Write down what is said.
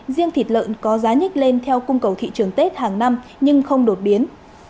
riêng thịt lợn có giá nhích lên theo cung cầu thị trường tết hàng năm nhưng không đột biến